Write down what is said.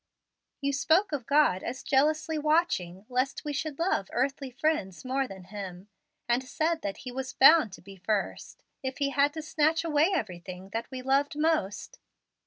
You spoke of God as jealously watching, lest we should love earthly friends more than Him, and said that He was bound to be first, if He had to snatch away everything that we loved most.